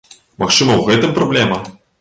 Магчыма, у гэтым праблема?